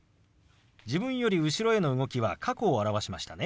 自分より後ろへの動きは過去を表しましたね。